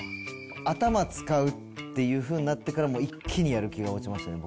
頭使うっていう風になってからもう一気にやる気が落ちましたね